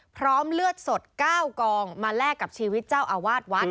พร้อมเลือดสด๙กองมาแลกกับชีวิตเจ้าอาวาสวัด